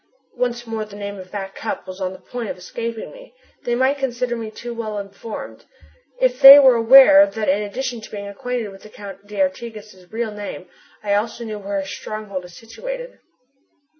Once more the name of Back Cup was on the point of escaping me. They might consider me too well informed if they were aware that in addition to being acquainted with the Count d'Artigas' real name I also know where his stronghold is situated.